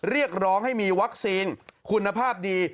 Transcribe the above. เรียกร้องให้มีวัคซีนคุณภาพดี